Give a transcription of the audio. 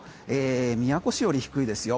宮古市より低いですよ。